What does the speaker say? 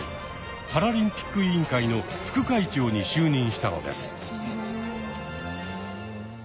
パラリンピック委員会の副会長に就任したのです。